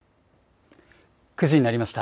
９時になりました。